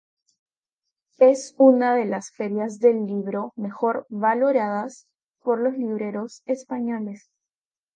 Es una de las ferias del libro mejor valoradas por los libreros españoles.